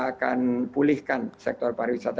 akan pulihkan sektor pariwisata